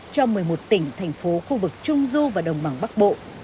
cho một mươi một tỉnh thành phố khu vực trung du và đồng bằng bắc bộ